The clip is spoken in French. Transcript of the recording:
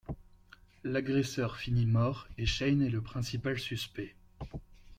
L'agresseur finit mort et Shane est le principal suspect.